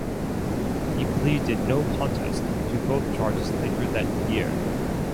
He pleaded no contest to both charges later that year.